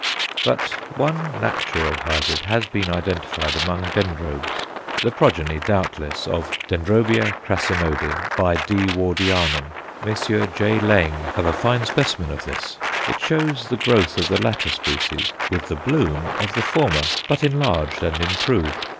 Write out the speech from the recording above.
But one natural hybrid has been identified among Dendrobes the progeny doubtless of D. crassinode × D. Wardianum. Messrs. J. Laing have a fine specimen of this; it shows the growth of the latter species with the bloom of the former, but enlarged and improved.